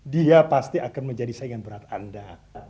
dia pasti akan menjadi saingan berat anda